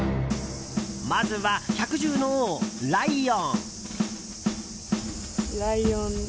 まずは、百獣の王ライオン！